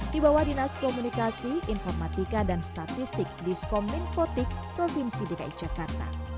di bawah dinas komunikasi informatika dan statistik diskominfotik provinsi dki jakarta